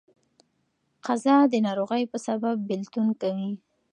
قضا د ناروغۍ په سبب بيلتون کوي.